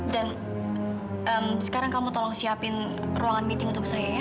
dan sekarang kamu tolong siapin ruangan meeting untuk saya ya